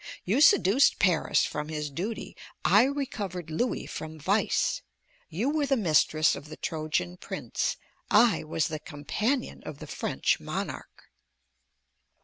You seduced Paris from his duty, I recovered Louis from vice; you were the mistress of the Trojan prince, I was the companion of the French monarch.